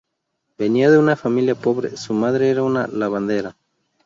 Venía de una familia pobre: su madre era una "lavandera".